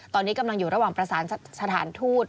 ตอนนี้กำลังอยู่ระหว่างประสานสถานทูต